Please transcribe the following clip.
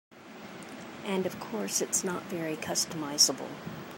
And of course, it's not very customizable.